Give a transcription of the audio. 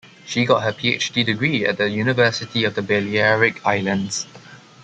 She got her PhD degree at the University of the Balearic Islands.